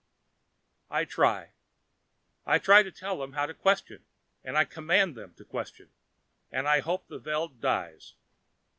I try. I try to tell them how to question, and I command them to question. And I hope the Veld dies.